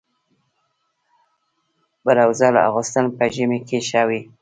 برزو اغوستل په ژمي کي ښه وي.